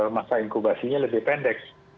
masa inkubasinya lebih pendek